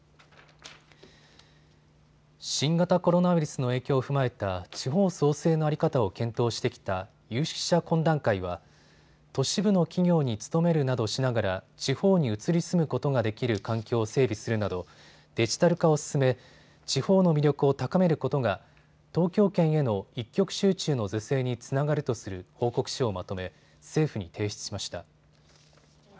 新型コロナウイルスの影響を踏まえた地方創生の在り方を検討してきた有識者懇談会は都市部の企業に勤めるなどしながら地方に移り住むことができる環境を整備するなどデジタル化を進め地方の魅力を高めることが東京圏への一極集中の是正につながるとする報告書をまとめ政府に提出しました。